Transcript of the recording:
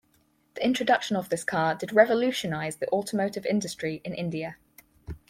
The introduction of this car did revolutionize the automotive industry in India.